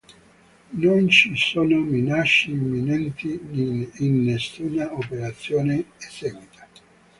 Non ci sono minacce imminenti in nessuna operazione eseguita.